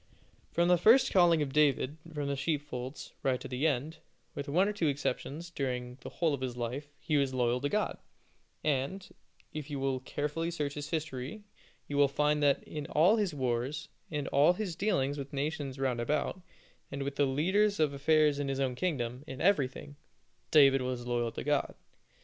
From the first calling of David from the sheepfolds, right to the end, with one or two exceptions, during the whole of his life, he was loyal to God, and, if you will carefully search his history, you will find that in all his wars, and all his dealings with the nations round about, and with the leaders of affairs in his own kingdom in everything, David was loyal to God.